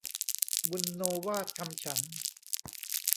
บุณโณวาทคำฉันท์